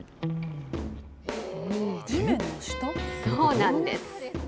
そうなんです。